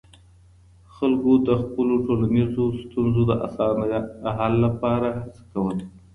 خلګو د خپلو ټولنيزو ستونزو د اسانه حل لپاره هڅه کوله.